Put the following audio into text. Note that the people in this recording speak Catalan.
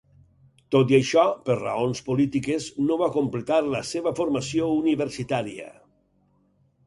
Tot i això, per raons polítiques no va completar la seva formació universitària.